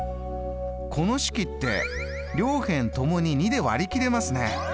この式って両辺ともに２で割り切れますね。